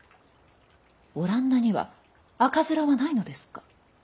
オランダには赤面はないのですか？